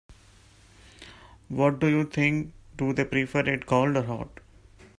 What do you think, do they prefer it cold or hot?